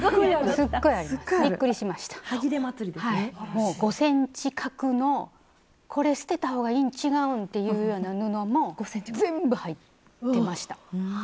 もう５ｃｍ角のこれ捨てた方がいいん違うんっていうような布も全部入ってました。